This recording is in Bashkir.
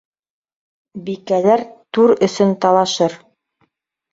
Бикәләр түр өсөн талашыр.